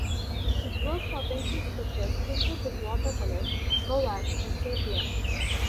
His works are pencil sketches tinted with watercolour, gouache and sepia.